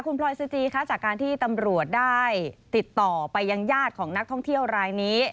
คุณพลอยสจีคะจากการที่ตำรวจได้ติดต่อไปยังญาติของนักท่องเที่ยวรายนี้